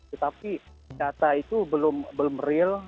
tetapi data itu belum real